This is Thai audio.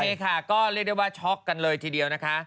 ใช่ค่ะก็เรียกได้ว่าช็อกกันเลยทีเดียวนะคะ